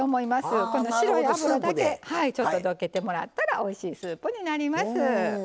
白い脂だけどけてもらったらおいしいスープになります。